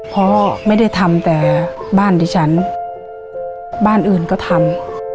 เพราะไม่ได้ทำแต่บ้านดิฉันบ้านอื่นก็ทำ